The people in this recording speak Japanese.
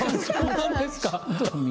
そうなんですか。